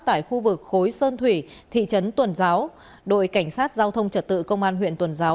tại khu vực khối sơn thủy thị trấn tuần giáo đội cảnh sát giao thông trật tự công an huyện tuần giáo